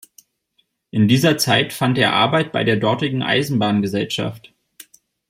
In dieser Zeit fand er Arbeit bei der dortigen Eisenbahngesellschaft.